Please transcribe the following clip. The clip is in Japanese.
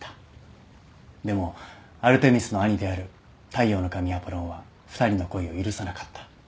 でもアルテミスの兄である太陽の神アポロンは２人の恋を許さなかった。